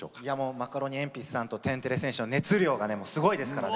マカロニえんぴつさんとてれび戦士は熱量がすごいですからね。